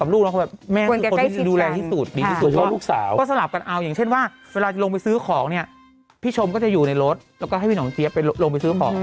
แล้วสายป้าพายุเขามาด้วยกับแม่